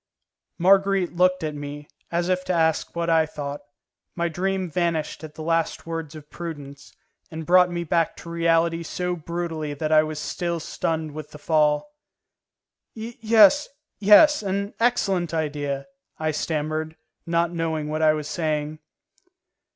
Marguerite looked at me, as if to ask me what I thought. My dream vanished at the last words of Prudence, and brought me back to reality so brutally that I was still stunned with the fall. "Yes, yes, an excellent idea," I stammered, not knowing what I was saying.